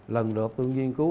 lần lượt tôi nghiên cứu